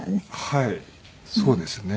はいそうですね。